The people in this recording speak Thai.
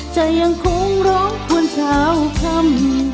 ใจยังคงร้องควรเฉาคำ